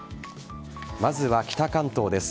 まずは北関東です。